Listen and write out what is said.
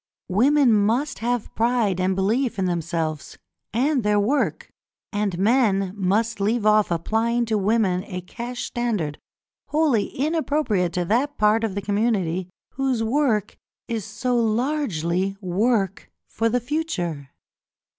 Women must have pride and belief in themselves and their work, and men must leave off applying to women a cash standard wholly inappropriate to that part of the community whose work is so largely work for the future.